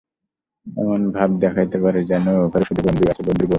এমন ভাব দেখাইতে পারে যেন এঘরে শুধু বন্ধু আছে, বন্ধুর বৌ নাই।